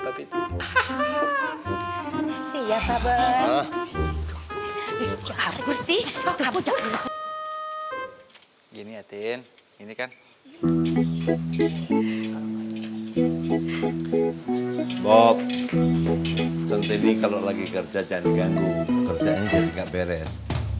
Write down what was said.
hai gini ya tin ini kan bob contoh ini kalau lagi kerja jangan ganggu kerjanya jadi gak beres